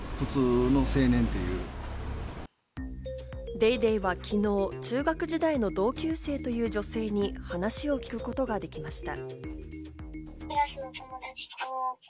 『ＤａｙＤａｙ．』は昨日、中学時代の同級生という女性に話を聞くことができました。